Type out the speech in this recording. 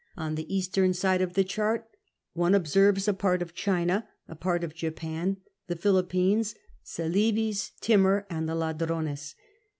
On the eastern side of the chart one observes a part of China, a part of Jajian, the Philippines, Celebes, Timor, and the Ladrones.